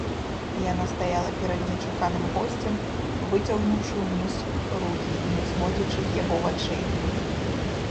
Яна стаяла перад нечаканым госцем, выцягнуўшы ўніз рукі і не зводзячы з яго вачэй.